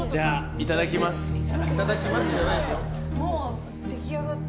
いただきますじゃないですよ。